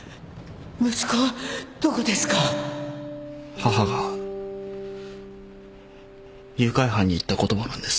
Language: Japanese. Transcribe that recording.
母が誘拐犯に言った言葉なんです。